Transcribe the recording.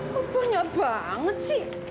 kok banyak banget sih